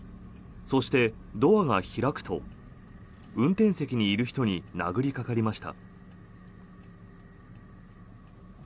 そして、ドアが開くと運転席にいる人に殴りかかりました。